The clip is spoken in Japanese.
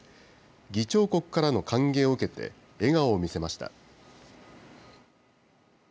議長国からの歓迎を受けて、笑顔を見せました。